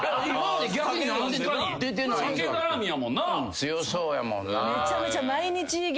強そうやもんな。